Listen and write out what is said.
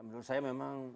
menurut saya memang